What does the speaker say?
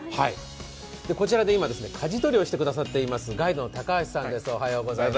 こちらで今、かじ取りをしてくださっています、ガイドの高橋さんです。